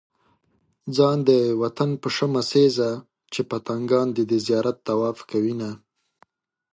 ځان د وطن په شمع سيزه چې پتنګان دې د زيارت طواف کوينه